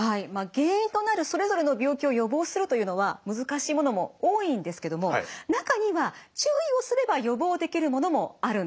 原因となるそれぞれの病気を予防するというのは難しいものも多いんですけども中には注意をすれば予防をできるものもあるんです。